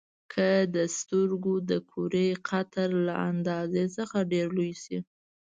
که د سترګو د کرې قطر له اندازې څخه ډېر لوی شي.